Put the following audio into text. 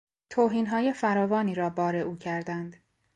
توهینهای فراوانی را بار او کردند.